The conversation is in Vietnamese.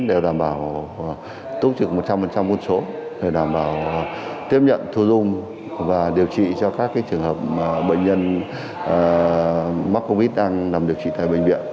đều đảm bảo tốt trực một trăm linh quân số để đảm bảo tiếp nhận thu dung và điều trị cho các trường hợp bệnh nhân mắc covid đang nằm điều trị tại bệnh viện